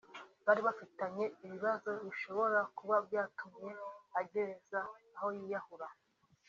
bari bafitanye ibibazo bishobora kuba byatumye ageza aho yiyahura